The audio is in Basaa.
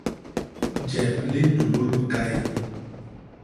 Jep li ntulul bikay.